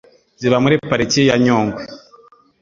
ziba muri Pariki ya Nyungwe,